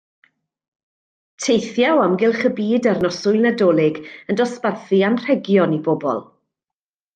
Teithia o amgylch y byd ar noswyl Nadolig yn dosbarthu anrhegion i bobl.